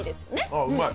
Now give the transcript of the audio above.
あっうまい！